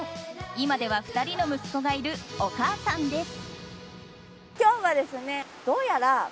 今では２人の息子がいるお母さんです。